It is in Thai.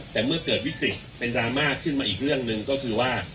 แต่เมื่อเกิดวิกฤตเป็นดราม่าขึ้นมาอีกเรื่องหนึ่งก็คือว่า